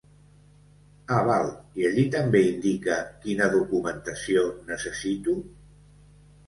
Ah val, i allí també indica quina documentació necessito?